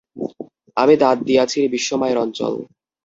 আমি দাঁত দিয়া ছিঁড়ি বিশ্ব মায়ের অঞ্চল।